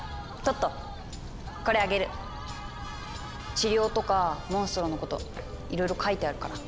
治療とかモンストロのこといろいろ書いてあるから。